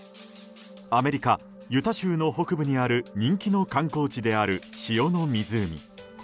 アメリカ・ユタ州の北部にある人気の観光地である塩の湖。